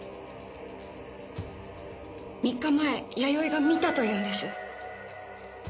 ３日前弥生が「見た」と言うんです。